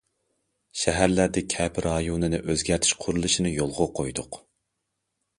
شەھەرلەردە كەپە رايونىنى ئۆزگەرتىش قۇرۇلۇشىنى يولغا قويدۇق.